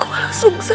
putriku allah sungguh